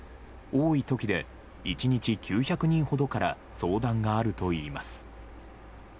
多いときで１日９００人ほどから相談があるといいます。